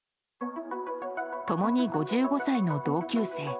共に５５歳の同級生。